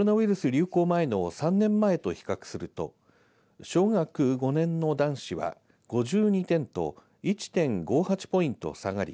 流行前の３年前と比較すると小学５年の男子は５２点と１．５８ポイント下がり